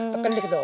tekan dikit dong